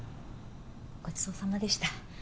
ごちそうさまでした。